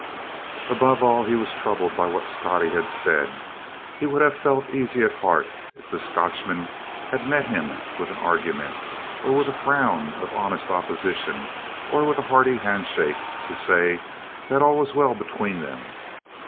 Above all he was troubled by what Scottie had said. He would have felt easy at heart if the Scotchman had met him with an argument or with a frown or honest opposition or with a hearty handshake, to say that all was well between them.